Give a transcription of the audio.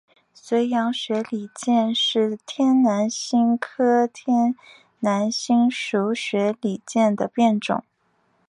绥阳雪里见是天南星科天南星属雪里见的变种。